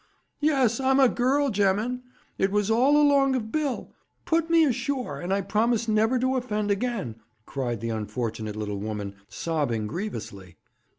'Yes, I'm a girl, gemmen. It was all along of Bill. Put me ashore, and I promise never to offend again,' cried the unfortunate little woman, sobbing grievously.